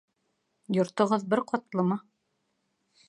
Йортоғоҙ бер ҡатлымы?